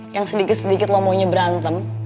yang sedikit sedikit lo maunya berantem